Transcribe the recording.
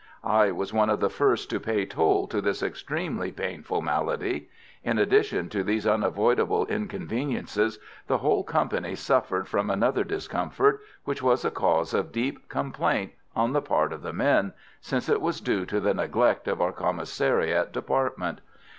I was one of the first to pay toll to this extremely painful malady. In addition to these unavoidable inconveniences, the whole company suffered from another discomfort which was a cause of deep complaint on the part of the men, since it was due to the neglect of our commissariat department.